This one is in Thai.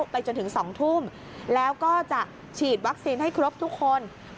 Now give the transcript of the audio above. ไปจนถึง๒ทุ่มแล้วก็จะฉีดวัคซีนให้ครบทุกคน